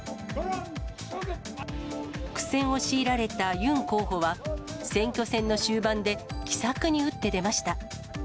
苦戦を強いられたユン候補は、選挙戦の終盤で奇策に打って出ました。